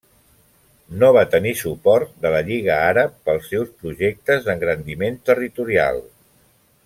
No va tenir suport de la Lliga Àrab pels seus projectes d'engrandiment territorial.